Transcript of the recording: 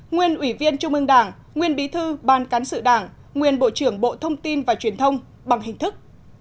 nguyên ủy viên trung ương đảng nguyên bí thư ban cán sự đảng nguyên bộ trưởng bộ thông tin và truyền thông bằng hình thức